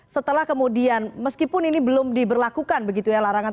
setelah kemudian meskipun ini belum diberlakukan begitu ya larangan